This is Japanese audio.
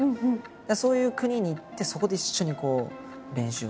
そういう国に行ってそこで一緒に練習をする。